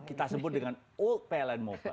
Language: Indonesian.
kita sebut dengan old pln mobile